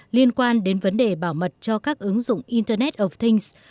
liên quan đến vấn đề bảo mật cho các ứng dụng internet of things